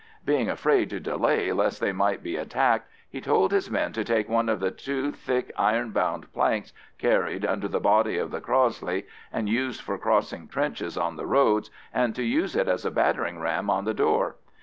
Being afraid to delay lest they might be attacked, he told his men to take one of the two thick iron bound planks carried under the body of the Crossley, and used for crossing trenches on the roads, and to use it as a battering ram on the door.